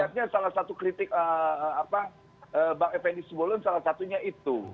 saya lihatnya salah satu kritik bang ependisibolon salah satunya itu